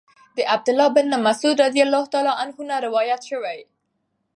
د عبد الله بن مسعود رضی الله عنه نه روايت شوی